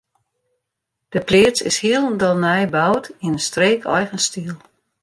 De pleats is hielendal nij boud yn in streekeigen styl.